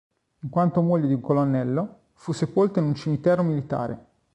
In quanto moglie di un colonnello, fu sepolta in un cimitero militare.